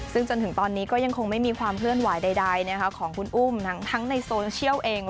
ซึ่งจนถึงตอนนี้ก็ยังคงไม่มีความเคลื่อนไหวใดของคุณอุ้มทั้งในโซเชียลเอง